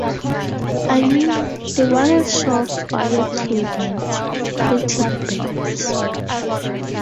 I mean, they wanted sure-fire teen bands, pre-teen bands.